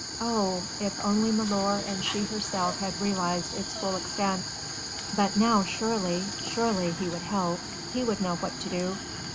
Oh! if only milor and she herself had realised its full extent! But now surely! surely! he would help, he would know what to do.